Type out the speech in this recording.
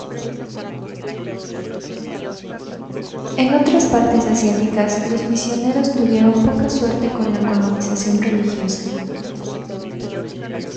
En otras partes asiáticas los misioneros tuvieron poca suerte con la colonización religiosa.